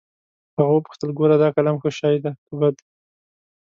هغه وپوښتل ګوره دا قلم ښه شى ديه که بد.